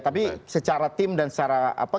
tapi secara tim dan secara